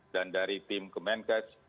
dan dari tim kemenkes